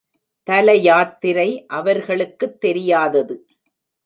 தல யாத்திரை அவர்களுக்குத் தெரியாதது.